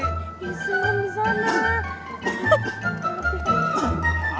insul insul lah